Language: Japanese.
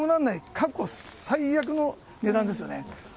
過去最悪の値段ですよね。